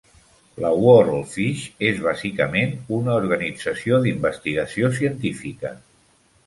La WorldFish és bàsicament una organització d'investigació científica.